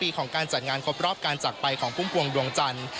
ของการจัดงานครบรอบการจักรไปของพุ่มพวงดวงจันทร์